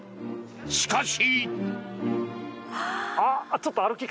しかし。